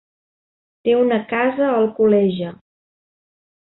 Té una casa a Alcoleja.